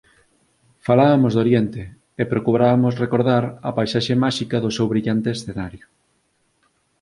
Falabamos de Oriente, e procurabamos recordar a paisaxe máxica do seu brillante escenario.